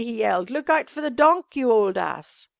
he yelled. "Look out for the donk, you ole ass."